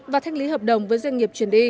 và thanh lý hợp đồng với doanh nghiệp